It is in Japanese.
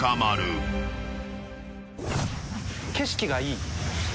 景色がいい。